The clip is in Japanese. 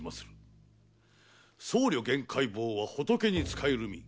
僧侶・玄海坊は仏に仕える身。